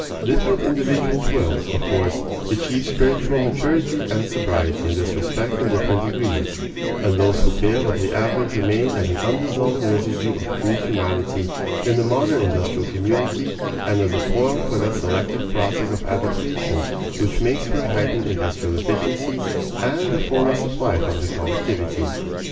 Different individuals will, of course, achieve spiritual maturity and sobriety in this respect in different degrees; and those who fail of the average remain as an undissolved residue of crude humanity in the modern industrial community and as a foil for that selective process of adaptation which makes for a heightened industrial efficiency and the fullness of life of the collectivity.